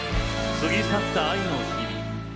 過ぎ去った愛の日々。